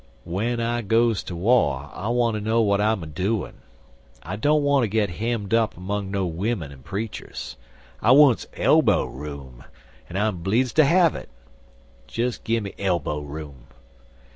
W'en I goes ter war, I wanter know w'at I'm a doin'. I don't wanter git hemmed up 'mong no wimmen and preachers. I wants elbow room, an I'm bleedzd ter have it. Des gimme elbow room."